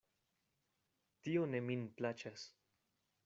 Tio ne min plaĉas.